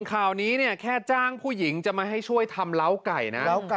คราวนี้แค่จ้างผู้หญิงจะมาให้ช่วยทำเล้าไก่นะ